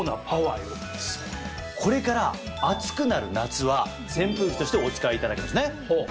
これから暑くなる夏は扇風機としてお使いいただけますね。